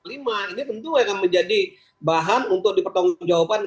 ini tentu akan menjadi bahan untuk dipertanggung jawaban